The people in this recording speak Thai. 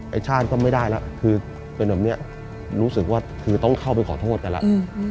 ชาติก็ไม่ได้แล้วคือเป็นแบบนี้รู้สึกว่าคือต้องเข้าไปขอโทษกันแล้ว